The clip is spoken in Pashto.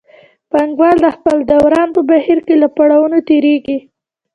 پانګوال د خپل دوران په بهیر کې له پړاوونو تېرېږي